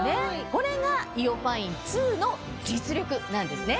これがＩＯファイン２の実力なんですね。